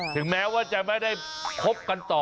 ถึงแม้ว่าจะไม่ได้คบกันต่อ